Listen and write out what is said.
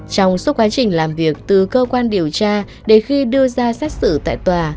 trong suốt quá trình làm việc từ cơ quan điều tra đến khi đưa ra xét xử tại tòa